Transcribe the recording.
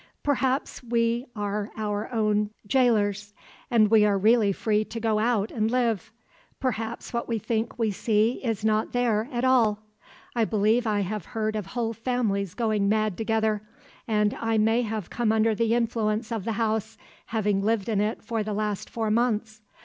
Perhaps we are our own gaolers, and we are really free to go out and live. Perhaps what we think we see is not there at all. I believe I have heard of whole families going mad together, and I may have come under the influence of the house, having lived in it for the last four months.